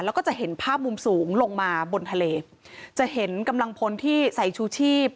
แล้วก็จะเห็นภาพมุมสูงลงมาบนทะเลจะเห็นกำลังพลที่ใส่ชูชีพ